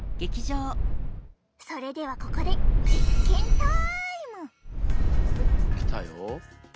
それではここで来たよ。